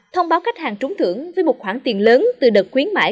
thông báo khách hàng trúng thưởng với một khoản tiền lớn từ đợt quyến mãi